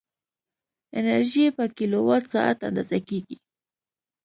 انرژي په کیلووات ساعت اندازه کېږي.